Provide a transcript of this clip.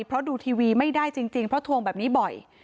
เพราะดูทีวีไม่ได้จริงเพราะทวงแบบนี้บ่อย